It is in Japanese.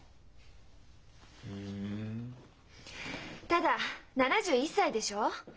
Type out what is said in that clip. ただ７１歳でしょう？